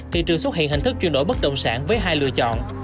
thị trường xuất hiện hình thức chuyển đổi bất động sản với hai lựa chọn